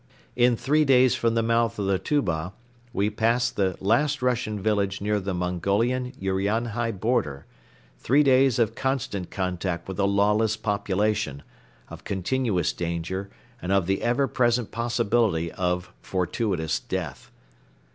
In three days from the mouth of the Tuba we passed the last Russian village near the Mongolian Urianhai border, three days of constant contact with a lawless population, of continuous danger and of the ever present possibility of fortuitous death.